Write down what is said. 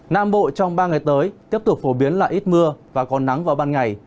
nam bộ trong ba ngày tới tiếp tục phổ biến là ít mưa và còn nắng vào ban ngày